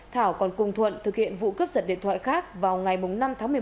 thảo còn cùng thuận thực hiện vụ cướp giật điện thoại khác vào ngày năm tháng một mươi một